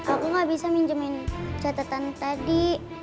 aku gak bisa minjemen catatan tadi